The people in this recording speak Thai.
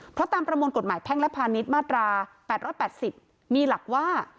เพราะตามประมวลกฎหมายแพ่งและพาณิชย์มาตราแปดร้อดแปดสิบมีหลักว่า